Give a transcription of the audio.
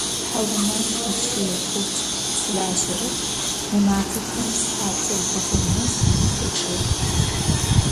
Thaumaf ıç'i ğubc sılejerep, mı mafexem, sıhatır bğum nes seççıê.